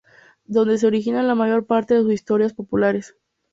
Donde se originan la mayor parte de sus historias populares.